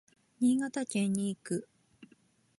新潟県に行く。